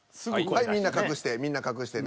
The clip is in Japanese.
はいみんな隠して。